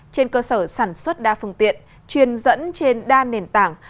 trên cơ sở sản xuất đa phương tiện truyền dẫn trên đa nền tảng